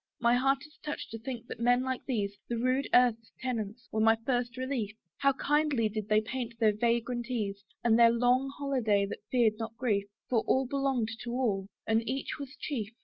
My heart is touched to think that men like these, The rude earth's tenants, were my first relief: How kindly did they paint their vagrant ease! And their long holiday that feared not grief, For all belonged to all, and each was chief.